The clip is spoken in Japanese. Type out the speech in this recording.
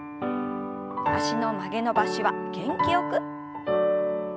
脚の曲げ伸ばしは元気よく。